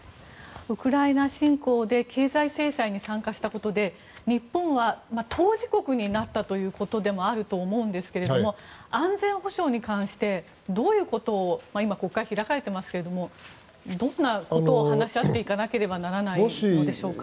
ウクライナ侵攻で経済制裁に参加したことで日本は当事国になったということでもあると思うんですが安全保障に関してどういうことを今、国会が開かれていますがどんなことを話し合っていかなければならないのでしょうか。